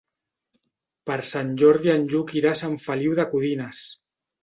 Per Sant Jordi en Lluc irà a Sant Feliu de Codines.